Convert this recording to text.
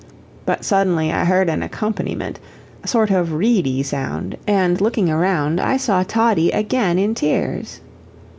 But suddenly I heard an accompaniment a sort of reedy sound and, looking around, I saw Toddie again in tears.